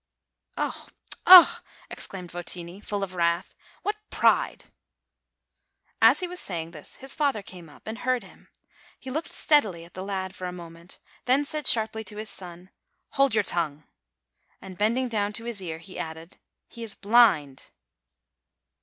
"Oh! Oh!" exclaimed Votini, full of wrath, "what pride !" As he was saying this, his father came up, and heard him ; he looked steadily at the lad for a moment, then 60 DECEMBER said sharply to his son, "Hold your tongue !" and, bend ing down to his ear, he added, "he is blind